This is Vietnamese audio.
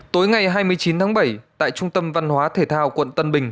tối ngày hai mươi chín tháng bảy tại trung tâm văn hóa thể thao quận tân bình